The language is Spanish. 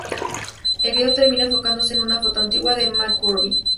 El video termina enfocándose en una foto antigua de McCurdy.